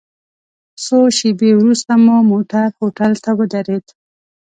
څو شېبې وروسته مو موټر هوټل ته ودرید.